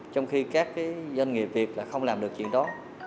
trong khi các cái doanh nghiệp việt là không làm được chuyện đó